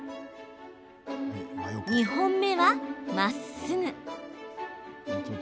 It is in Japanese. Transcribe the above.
２本目は、まっすぐ。